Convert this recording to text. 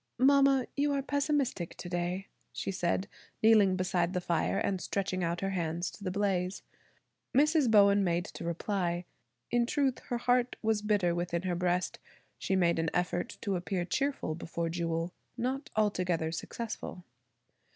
"Mama, you are pessimistic to day," she said kneeling beside the fire and stretching out her hands to the blaze. Mrs. Bowen made to reply. In truth, her heart was bitter within her breast. She made an effort to appear cheerful before Jewel, not altogether successful.